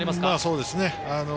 そうですね。